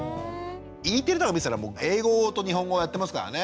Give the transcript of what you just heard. Ｅテレとか見てたらもう英語と日本語やってますからね。